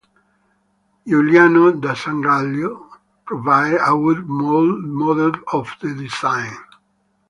Giuliano da Sangallo provided a wood model of the design.